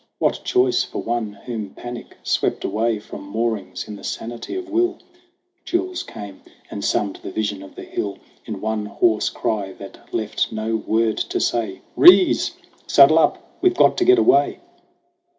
What choice for one whom panic swept away From moorings in the sanity of will ? Jules came and summed the vision of the hill In one hoarse cry that left no word to say : "Rees ! Saddle up ! We've got to get away